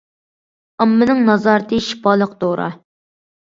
ئاممىنىڭ نازارىتى شىپالىق دورا.